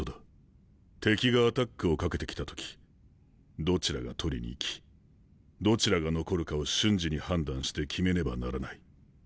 敵がアタックをかけてきた時どちらが取りに行きどちらが残るかを瞬時に判断して決めねばならない。